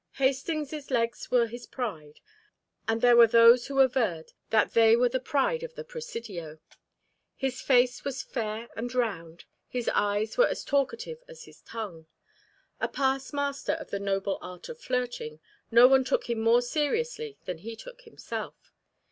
Hastings' legs were his pride, and there were those who averred that they were the pride of the Presidio. His face was fair and round, his eyes were as talkative as his tongue. A past master of the noble art of flirting, no one took him more seriously than he took himself.